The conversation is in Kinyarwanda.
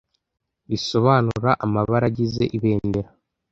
risobanura amabara agize Ibendera